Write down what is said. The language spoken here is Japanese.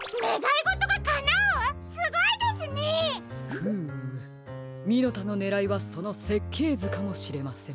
フームミノタのねらいはそのせっけいずかもしれません。